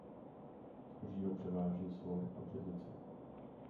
Tvoří ho převážně svor a břidlice.